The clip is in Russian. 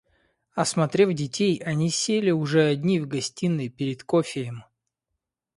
Осмотрев детей, они сели, уже одни, в гостиной, пред кофеем.